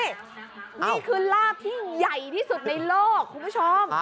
นี่คือลาบที่ใหญ่ที่สุดในโลกคุณผู้ชม